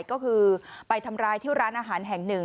ก็คือไปทำร้ายที่ร้านอาหารแห่งหนึ่ง